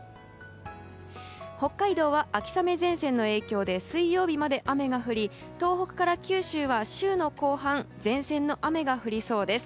北海道は秋雨前線の影響で水曜日まで雨が降り東北から九州は週の後半前線の雨が降りそうです。